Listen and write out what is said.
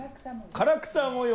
唐草模様。